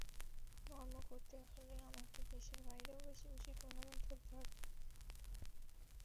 Norm করতে হলে আমাকে দেশের বাইরেও বেশি বেশি টুর্নামেন্টে খেলতে হবে।